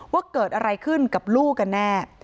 ว่าเกิดอะไรขึ้นกับลูกกันแน่